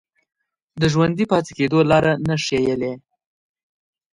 د ژوندي پاتې کېدو لاره نه ښييلې